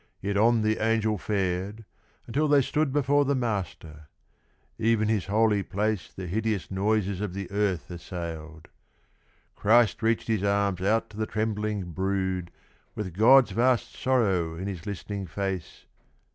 Yet on the Angel fared, until they stood Before the Master. (Even His holy place The hideous noises of the earth assailed.) Christ reached His arms out to the trembling brood, With God's vast sorrow in His listening face.